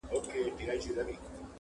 خو اصلي درد نه حل کيږي